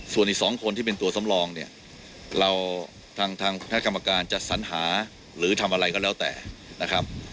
ส่วนอีก๒คนที่เป็นตัวสำรองเนี่ยเราทางคณะกรรมการจะสัญหาหรือทำอะไรก็แล้วแต่นะครับ